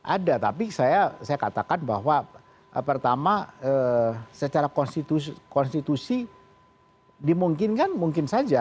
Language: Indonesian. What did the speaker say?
ada tapi saya katakan bahwa pertama secara konstitusi dimungkinkan mungkin saja